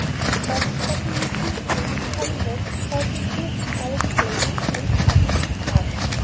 His studies suddenly seemed tame and colorless beside the fierce scarlet flame which blazed up in his heart.